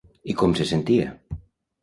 I com se sentia?